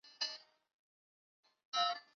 十六国北凉将领。